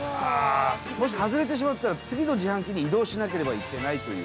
もし外れてしまったら次の自販機に移動しなければいけないという。